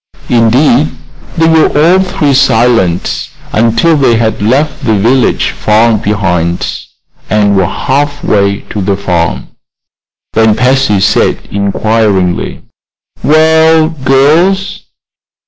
Indeed, they were all three silent until they had left the village far behind and were half way to the farm. Then Patsy said, inquiringly: "Well, girls?"